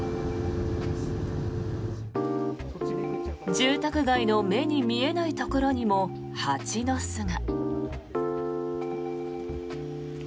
住宅街の目に見えないところにも蜂の巣が。